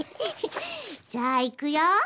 じゃあいくよ。